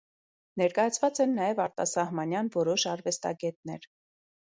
Ներկայացված են նաև արտասահմանյան որոշ արվեստագետներ։